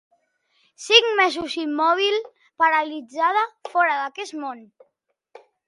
Cinc mesos immòbil, paralitzada, fora d'aquest món.